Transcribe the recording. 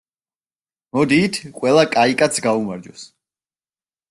მოდით, ყველა კაი კაცს გაუმარჯოს!